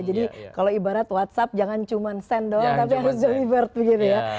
jadi kalau ibarat whatsapp jangan cuma sendok tapi harus delivered begitu ya